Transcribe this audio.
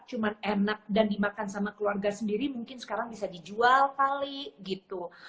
cuma enak dan dimakan sama keluarga sendiri mungkin sekarang bisa dijual kali gitu